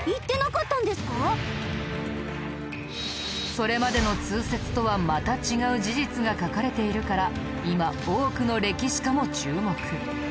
それまでの通説とはまた違う事実が書かれているから今多くの歴史家も注目。